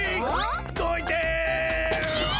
どいて！